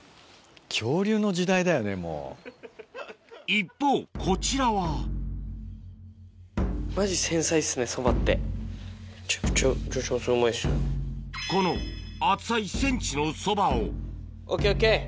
一方こちらはこの厚さ１ｃｍの蕎麦をＯＫＯＫ！